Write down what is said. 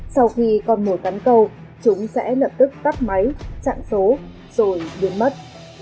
sau khi còn mỗi cắn câu chúng sẽ lập tức tắt máy chặn số rồi biến mất